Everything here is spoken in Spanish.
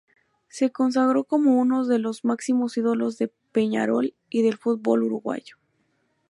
Se consagró como unos de los máximos ídolos de Peñarol y del fútbol uruguayo.